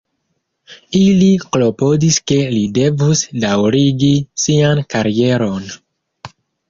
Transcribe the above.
Ili klopodis ke li devus daŭrigi sian karieron.